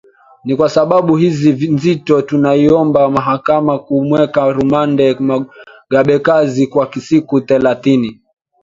Ni kwa sababu hizi nzito tunaiomba mahakama kumweka rumande Mugabekazi kwa siku thelathini